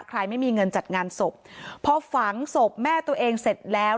ไม่มีเงินจัดงานศพพอฝังศพแม่ตัวเองเสร็จแล้ว